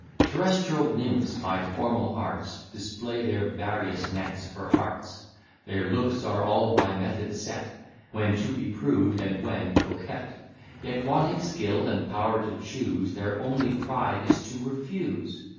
Terrestrial nymphs, by formal arts, Display their various nets for hearts: Their looks are all by method set, When to be prude, and when coquette; Yet, wanting skill and power to chuse, Their only pride is to refuse.